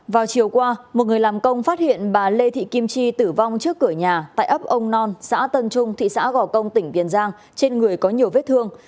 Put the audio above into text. vào chiều qua một người làm công phát hiện bà lê thị kim chi tử vong trước cửa nhà tại ấp ông non xã tân trung thị xã gò công tỉnh tiền giang trên người có nhiều vết thương